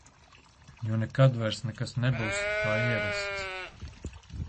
Jo nekad vairs nekas nebūs, kā ierasts.